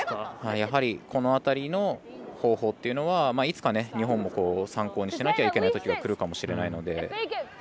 やはり、この辺りの方法というのは、いつか日本も参考にしなきゃいけないときがくるかもしれないので。